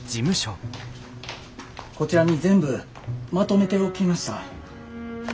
こちらに全部まとめておきました。